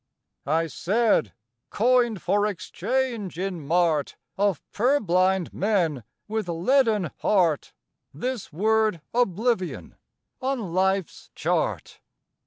IV. I said: Coined for exchange in mart Of purblind men with leaden heart, This word Oblivion on life's chart!